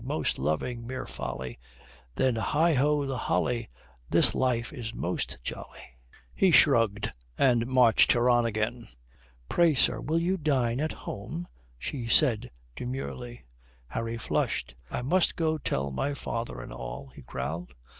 Most loving mere folly, Then heigho the holly, This life is most jolly." He shrugged and marched her on again. "Pray, sir, will you dine at home?" she said demurely. Harry flushed. "I must go tell my father and all," he growled.